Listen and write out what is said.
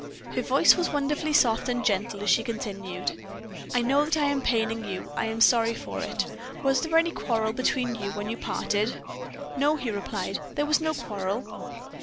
Her voice was wonderfully soft and gentle as she continued: "I know that I am paining you; I am sorry for it. Was there any quarrel between you when you parted?" "No," he replied, "there was no quarrel."